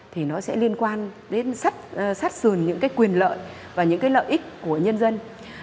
thì nó sẽ liên quan đến sát sườn những quyền lợi và những lợi ích của nhân dân